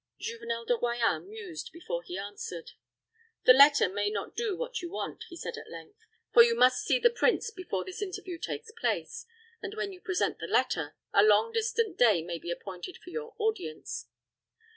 Juvenel de Royans mused before he answered. "The letter may not do what you want," he said, at length; "for you must see the prince before this interview takes place; and when you present the letter, a long distant day may be appointed for your audience.